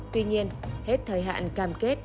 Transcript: tuy nhiên hết thời hạn cam kết